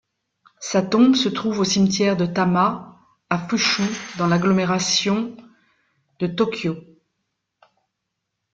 Sa tombe se trouve au cimetière de Tama à Fuchū dans l'agglomération de Tokyo.